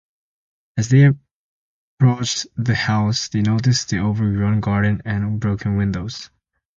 As they approached the house, they noticed the overgrown garden and broken windows.